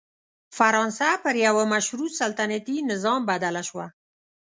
فرانسه پر یوه مشروط سلطنتي نظام بدله شوه.